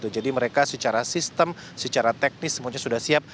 jadi mereka secara sistem secara teknis semuanya sudah siap